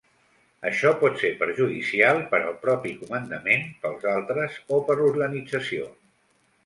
Això pot ser perjudicial per al propi comandament, pels altres o per l’organització.